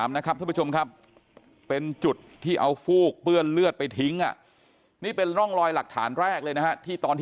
นะครับท่านผู้ชมครับเป็นจุดที่เอาฟูกเปื้อนเลือดไปทิ้งนี่เป็นร่องรอยหลักฐานแรกเลยนะฮะที่ตอนที่